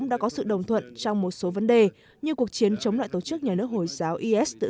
đã có sự đồng thuận trong một số vấn đề như cuộc chiến chống lại tổ chức nhà nước hồi giáo is tự